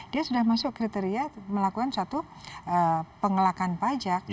dia sudah masuk kriteria melakukan suatu pengelakan pajak